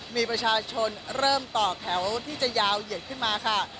มีประชาชนเริ่มต่อแถวที่จะยาวเหยียดขึ้นมาค่ะ